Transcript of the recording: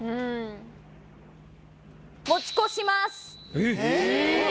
えっ！